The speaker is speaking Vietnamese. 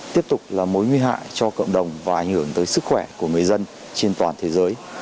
tiếp tục là mối nguy hại cho cộng đồng và ảnh hưởng tới sức khỏe của người dân trên toàn thế giới